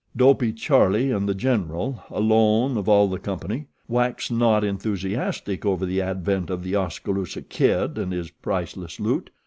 Dopey Charlie and The General, alone of all the company, waxed not enthusiastic over the advent of The Oskaloosa Kid and his priceless loot.